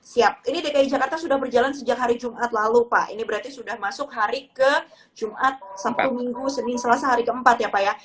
siap ini dki jakarta sudah berjalan sejak hari jumat lalu pak ini berarti sudah masuk hari ke jumat sabtu minggu senin selasa hari keempat ya pak ya